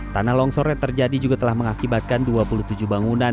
tanah longsor yang terjadi juga telah mengakibatkan dua puluh tujuh bangunan